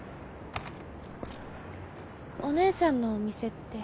お姉さんのお店って。